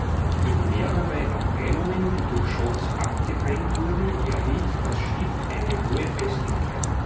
Durch mehrere Abteilungen, die durch Schotts abgetrennt wurden, erhielt das Schiff eine hohe Festigkeit.